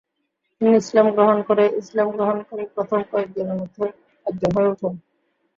তিনি ইসলাম গ্রহণ করে ইসলাম গ্রহণকারী প্রথম কয়েকজনের মধ্যে একজন হয়ে ওঠেন।